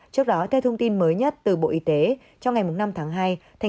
trước đó theo thông tin mới nhất từ bộ y tế trong ngày năm tháng hai